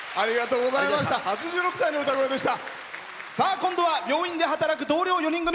今度は病院で働く同僚４人組。